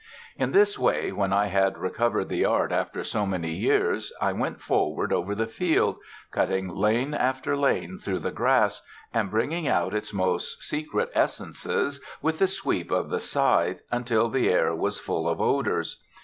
In this way, when I had recovered the art after so many years, I went forward over the field, cutting lane after lane through the grass, and bringing out its most secret essences with the sweep of the scythe until the air was full of odors.